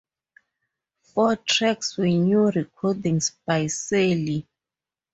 Four tracks were new recordings by Seely.